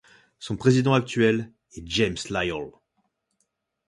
Son président actuel est James Lyall.